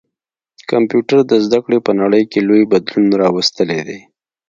کمپيوټر د زده کړي په نړۍ کي لوی بدلون راوستلی دی.